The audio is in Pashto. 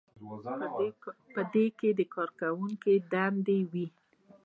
په دې کې د کارکوونکي دندې وي.